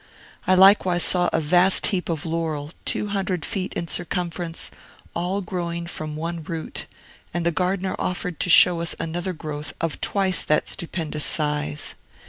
I likewise saw a vast heap of laurel, two hundred feet in circumference, all growing from one root; and the gardener offered to show us another growth of twice that stupendous size.